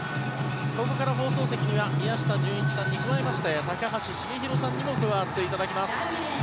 ここから放送席には宮下純一さんに加えまして高橋繁浩さんにも加わっていただきます。